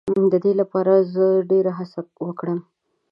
د دې لپاره به زه ډېر هڅه وکړم.